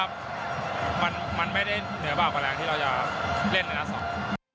ผมว่ามันไม่ได้เหนือบากกว่าแหล่งที่เราจะเล่นอีกนัดสอง